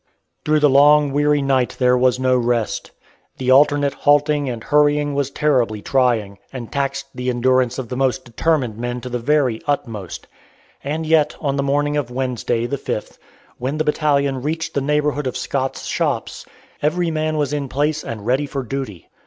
Through the long, weary night there was no rest. The alternate halting and hurrying was terribly trying, and taxed the endurance of the most determined men to the very utmost; and yet on the morning of Wednesday, the 5th, when the battalion reached the neighborhood of Scott's Shops, every man was in place and ready for duty.